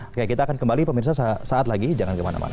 oke kita akan kembali pemirsa saat lagi jangan kemana mana